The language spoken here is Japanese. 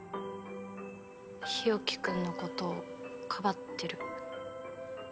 日沖君のことをかばってる？